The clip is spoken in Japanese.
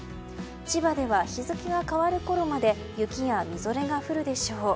千葉では日付が変わるころまで雪やみぞれが降るでしょう。